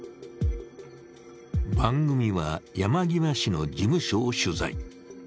番組は、山際氏の事務所を取材。